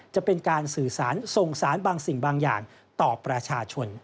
จะเป็นการสื่อสารส่งสารบางสิ่งบางอย่างต่อประชาชน